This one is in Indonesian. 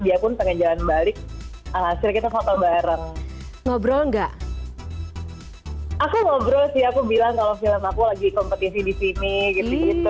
aku ngobrol sih aku bilang kalau film aku lagi kompetisi di sini gitu gitu